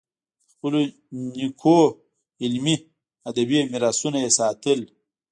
د خپلو نیکونو علمي، ادبي میراثونه یې ساتل.